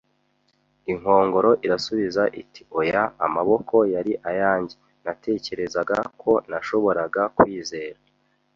Inkongoro irasubiza iti: "Oya." “Amaboko yari ayanjye.” “Natekerezaga ko nashoboraga kwizera